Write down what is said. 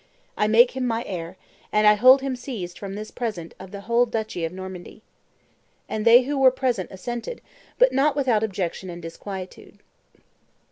I make him my heir, and I hold him seized, from this present, of the whole duchy of Normandy." And they who were present assented, but not without objection and disquietude.